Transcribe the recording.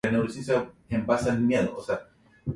He speaks Serbian and English.